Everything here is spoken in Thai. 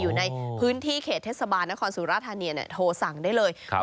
อยู่ในพื้นที่เขตเทศบาลนครสุราธานีโทรสั่งได้เลย